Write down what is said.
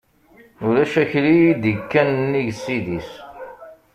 Ulac akli i d-ikkan nnig ssid-is.